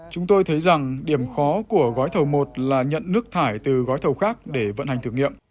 chúng tôi thấy rằng điểm khó của gói thầu một là nhận nước thải từ gói thầu khác để vận hành thử nghiệm